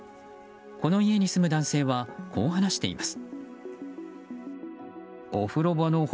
この家に住む男性はこう話しています。